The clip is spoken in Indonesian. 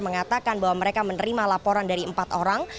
mengatakan bahwa mereka menerima laporan dari empat orang